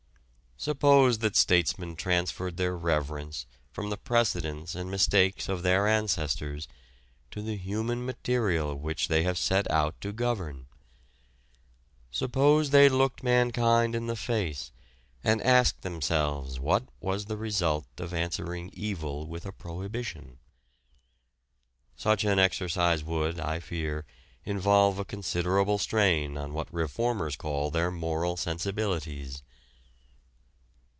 Suppose that statesmen transferred their reverence from the precedents and mistakes of their ancestors to the human material which they have set out to govern. Suppose they looked mankind in the face and asked themselves what was the result of answering evil with a prohibition. Such an exercise would, I fear, involve a considerable strain on what reformers call their moral sensibilities.